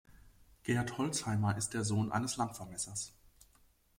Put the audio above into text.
Gerd Holzheimer ist der Sohn eines Landvermessers.